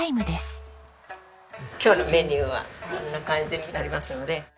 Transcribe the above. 今日のメニューはこんな感じになりますので。